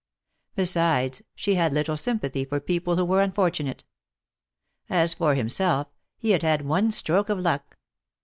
Besides, she had little sympathy for people who were unfortunate. As for himself, he had had one stroke of luck.